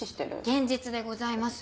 現実でございます。